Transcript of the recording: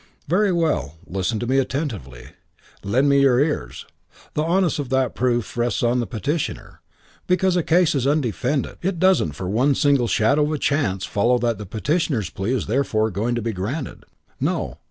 "Very well. Listen to me attentively. Lend me your ears. The onus of that proof rests on the petitioner. Because a case is undefended, it doesn't for one single shadow of a chance follow that the petitioner's plea is therefore going to be granted. No.